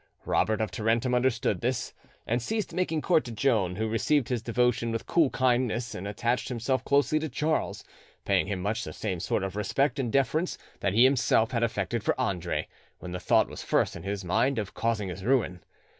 Robert of Tarentum understood this, and ceased making court to Joan, who received his devotion with cool kindness, and attached himself closely to Charles, paying him much the same sort of respect and deference that he himself had affected for Andre, when the thought was first in his mind of causing his ruin.